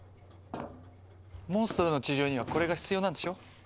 モンストロの治療にはこれが必要なんでしょ。